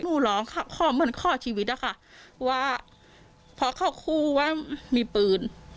หนูร้องค่ะขอเหมือนขอชีวิตอะค่ะว่าเพราะเขาคู่ว่ามีปืน